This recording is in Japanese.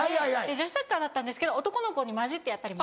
女子サッカーだったんですけど男の子に交じってやったりも。